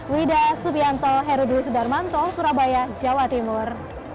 wida subianto herudwi sudarmanto surabaya jawa timur